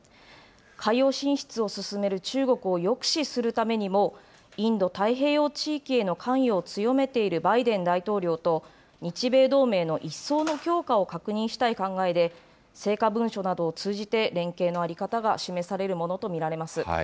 海洋進出を進める中国を抑止するためにも、インド太平洋地域への関与を強めているバイデン大統領と、日米同盟の一層の強化を確認したい考えで、成果文書などを通じて連携の在り方が示されるものと見られます。